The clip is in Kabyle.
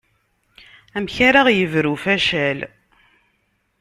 Amek ara ɣ-yebru facal.